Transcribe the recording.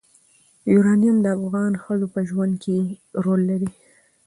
یورانیم د افغان ښځو په ژوند کې رول لري.